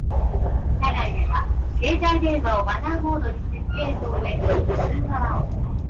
He lives in Vancouver and is married to the artist Shannon Oksanen.